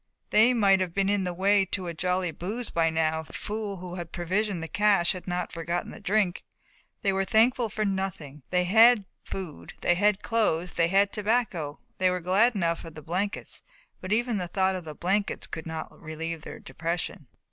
They might have been in the way to a jolly booze by now if that fool who provisioned the cache had not forgotten the drink. They were thankful for nothing. They had food, they had clothes, they had tobacco. They were glad enough of the blankets, but even the thought of the blankets could not relieve their depression.